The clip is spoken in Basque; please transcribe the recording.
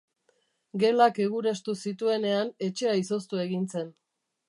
Gelak egurastu zituenean etxea izoztu egin zen.